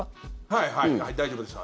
はいはい、大丈夫です。